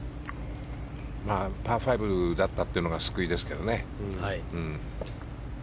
パー５だったってのが救いですけどね。